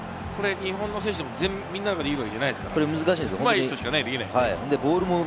日本の選手はみんなできるんですか？